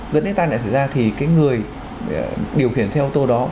dẫn đến tai nạn xảy ra thì cái người điều khiển xe ô tô đó